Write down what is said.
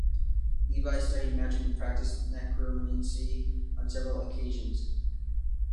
Levi studied magic and practiced necromancy on several occasions.